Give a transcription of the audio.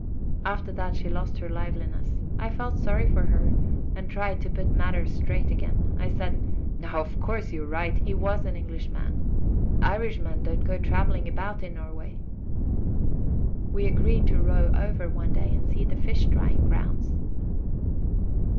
After that she lost her liveliness. I felt sorry for her, and tried to put matters straight again. I said: "No, of course you are right: he was an Englishman. Irishmen don't go travelling about in Norway." We agreed to row over one day and see the fish drying grounds...